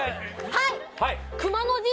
はい。